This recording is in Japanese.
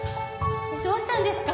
どうしたんですか？